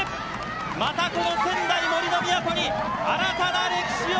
またこの仙台・杜の都に新たな歴史を